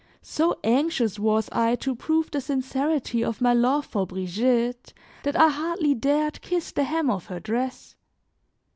So anxious was I to prove the sincerity of my love for Brigitte, that I hardly dared kiss the hem of her dress.